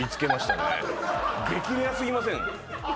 激レアすぎません？